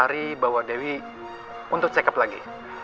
jadi lebih baik dr fahri bawa dewi untuk check up lagi